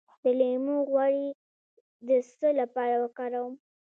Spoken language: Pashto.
د لیمو غوړي د څه لپاره وکاروم؟